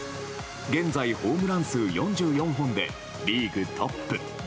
現在、ホームラン数４４本でリーグトップ。